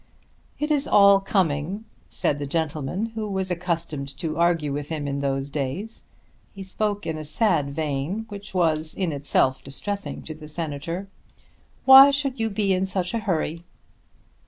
"It is all coming," said the gentleman who was accustomed to argue with him in those days. He spoke in a sad vein, which was in itself distressing to the Senator. "Why should you be in such a hurry?"